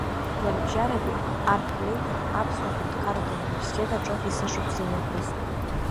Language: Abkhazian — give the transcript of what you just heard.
Жәларбжьаратәи Арт-пленер Аԥсуа аҳәынҭқарратә университет аҿы есышықәса имҩаԥысуеит.